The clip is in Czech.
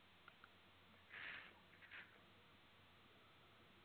Objekt se může zobrazit až v šesti hlavních směrech uvedených v pořadí priority.